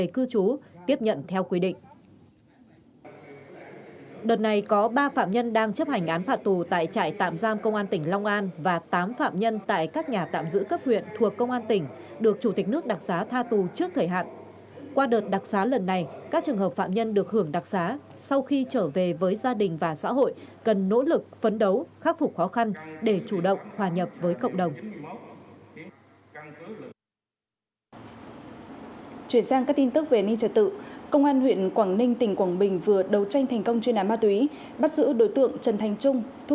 của chủ tịch nước cho các phạm nhân đang chấp hành án phạt tù